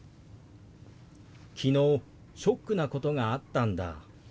「昨日ショックなことがあったんだ」。